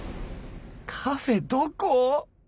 カフェどこ？